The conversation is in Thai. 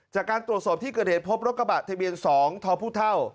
จากการตรวจสอบที่เกิดเหตุพบรถกระบะทะเบียน๒ทพเท่า